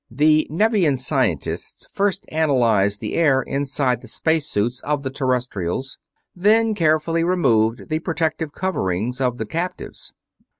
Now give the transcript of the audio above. The Nevian scientists first analyzed the air inside the space suits of the Terrestrials, then carefully removed the protective coverings of the captives.